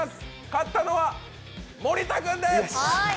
勝ったのは森田君です。